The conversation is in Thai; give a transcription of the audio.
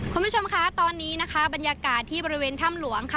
คุณผู้ชมคะตอนนี้นะคะบรรยากาศที่บริเวณถ้ำหลวงค่ะ